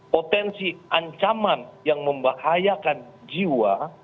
potensi ancaman yang membahayakan jiwa